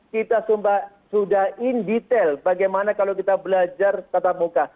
kita sudah in detail bagaimana kalau kita belajar tatap muka